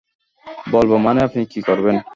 বলব মানে, আপনি কী করবেন?